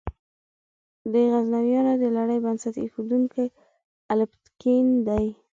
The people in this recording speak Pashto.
د غزنویانو د لړۍ بنسټ ایښودونکی الپتکین دی.